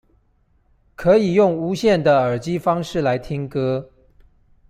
可以用無線的耳機方式來聽歌